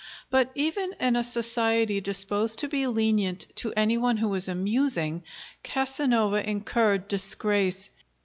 But even in a society disposed to be lenient to any one who was amusing, Casanova incurred disgrace.